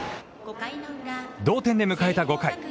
同点で迎えた５回。